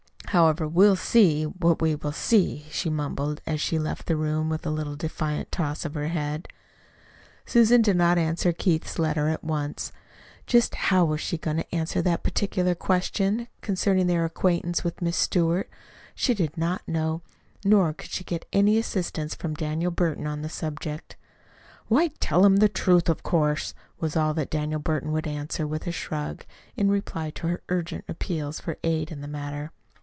However, we'll see what we will see," she mumbled, as she left the room with a little defiant toss of her head. Susan did not answer Keith's letter at once. Just how she was going to answer that particular question concerning their acquaintance with "Miss Stewart" she did not know, nor could she get any assistance from Daniel Burton on the subject. "Why, tell him the truth, of course," was all that Daniel Burton would answer, with a shrug, in reply to her urgent appeals for aid in the matter.